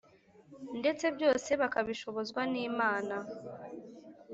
ndetse byose bakabishobozwa n’Imana.